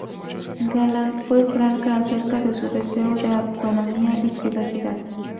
Gallant fue franca acerca de su deseo de autonomía y privacidad.